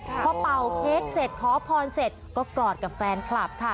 พอเป่าเค้กเสร็จขอพรเสร็จก็กอดกับแฟนคลับค่ะ